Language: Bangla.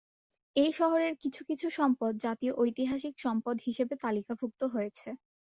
এই শহরের কিছু কিছু সম্পদ জাতীয় ঐতিহাসিক সম্পদ হিসেবে তালিকাভুক্ত হয়েছে।